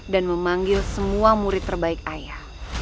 dan memanggil semua murid terbaik ayah